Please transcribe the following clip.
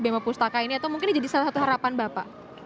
bemo pustaka ini atau mungkin jadi salah satu harapan bapak